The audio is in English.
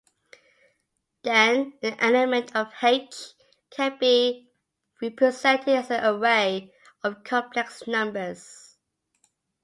Then an element of "H" can be represented as an array of complex numbers.